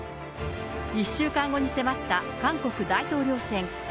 １週間後に迫った韓国大統領選。